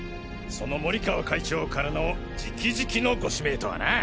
その森川会長からの直々のご指名とはな。